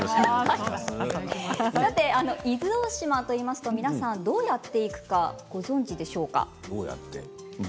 伊豆大島というと皆さんどうやって行くかご存じでしょうか。